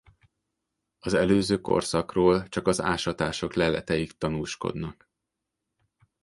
Az előző korszakról csak az ásatások leletei tanúskodnak.